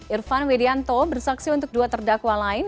irfan widianto bersaksi untuk dua terdakwa lain